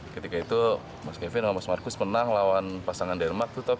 ketika itu mas kevin sama mas marcus menang lawan pasangan denmark